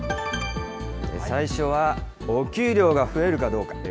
最初はお給料が増えるかどうか。